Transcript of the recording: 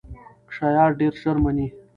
شایعات ډېر ژر مني.